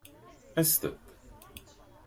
Aset-d!